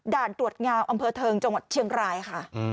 ด่านตรวจงาวอำเภอเทิงจังหวัดเชียงรายค่ะ